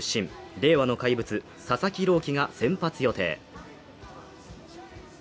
令和の怪物・佐々木朗希が先発予定。